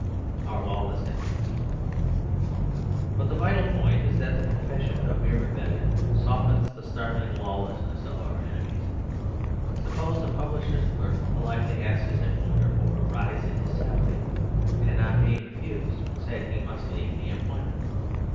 Our Lawless Enemies But the vital point is that the confession of mere rebellion softens the startling lawlessness of our enemies. Suppose a publisher's clerk politely asked his employer for a rise in his salary; and, on being refused, said he must leave the employment?